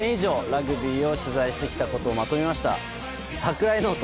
私が５年以上ラグビーを取材してきたことをまとめました櫻井ノート。